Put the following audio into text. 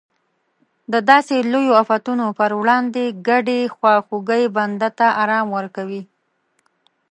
د داسې لویو افتونو پر وړاندې ګډې خواخوږۍ بنده ته ارام ورکوي.